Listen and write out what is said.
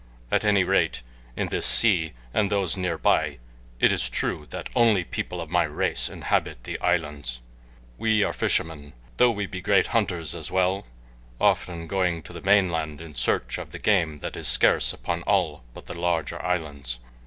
At any rate in this sea and those near by it is true that only people of my race inhabit the islands. "We are fishermen, though we be great hunters as well, often going to the mainland in search of the game that is scarce upon all but the larger islands.